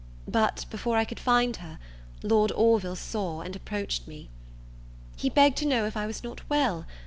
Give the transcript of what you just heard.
But before I could find her, Lord Orville saw and approached me. He begged to know if I was not well?